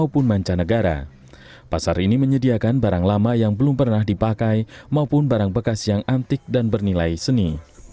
pasar ini menyediakan barang lama yang belum pernah dipakai maupun barang bekas yang antik dan bernilai seni